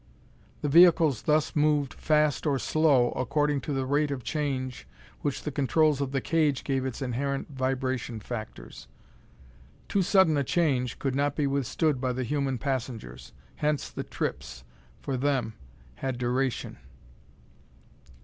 The vehicles thus moved "fast" or "slow" according to the rate of change which the controls of the cage gave its inherent vibration factors. Too sudden a change could not be withstood by the human passengers. Hence the trips for them had duration.